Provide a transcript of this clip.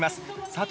佐藤